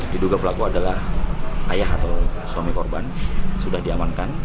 diduga pelaku adalah ayah atau suami korban sudah diamankan